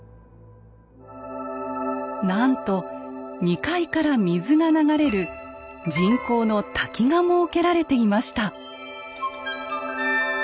なんと２階から水が流れる人工の滝が設けられていました。